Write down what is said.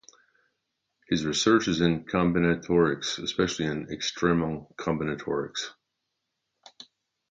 His research is in combinatorics, especially in extremal combinatorics.